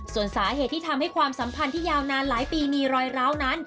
ส่วนสาเหตุที่ทำให้ความสัมพันธ์ที่ยาวนานหลายปีมีรอยร้าวนั้น